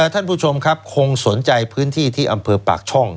ท่านผู้ชมครับคงสนใจพื้นที่ที่อำเภอปากช่อง